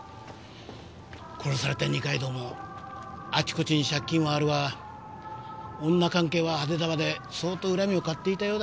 殺された二階堂もあちこちに借金はあるわ女関係は派手だわで相当恨みを買っていたようだ。